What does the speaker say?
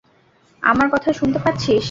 আমার কথা শুনতে পাচ্ছিস?